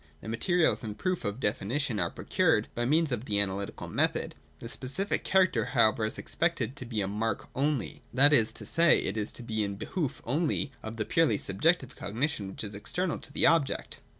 The materials and the proof of Definition are procured by means of the Analytical method (§ 227). The specific character however is expected to be a ' mark ' only : that is to say it is to be in behoof only of the purely subjective cognition which is external to the object.